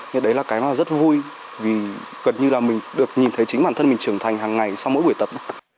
thì đấy là cái mà rất vui vì gần như là mình được nhìn thấy chính bản thân mình trưởng thành hàng ngày sau mỗi buổi tập